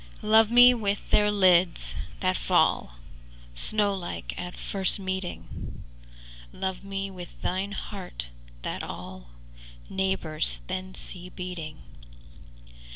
IV Love me with their lids, that fall Snow like at first meeting; Love me with thine heart, that all Neighbours then see beating.